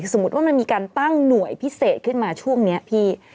สมมุติว่ามันมีการตั้งหน่วยพิเศษขึ้นมาช่วงนี้พี่